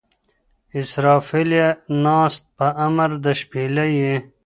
اسرافیله ناست په امر د شپېلۍ یې